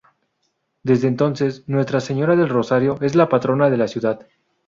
Desde entonces, Nuestra Señora del Rosario es la patrona de la Ciudad.